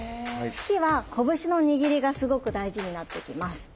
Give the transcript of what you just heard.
突きは拳の握りがすごく大事になってきます。